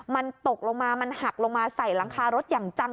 มันตกลงมามันหักลงมาใส่หลังคารถอย่างจัง